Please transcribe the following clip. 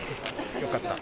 よかった。